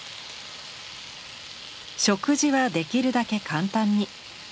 食事はできるだけ簡単に。